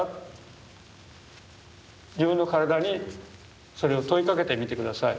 自分の身体にそれを問いかけてみて下さい。